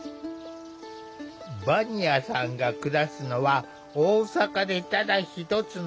ヴァニアさんが暮らすのは大阪でただ一つの村。